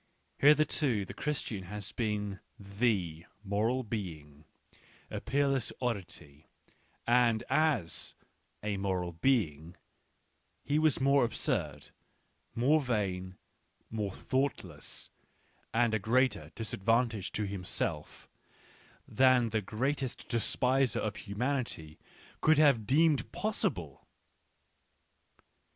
Hitherto the Chris tian has been the " moral being," a peerless oddity, and, as " a moral being," he was more absurd, more vain, more thoughtless, and a greater disadvantage to himself, than the greatest despiser of humanity could have deemed possible.